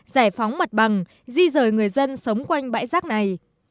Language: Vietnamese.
giải phóng mặt bằng di rời người dân sống quanh bãi rác này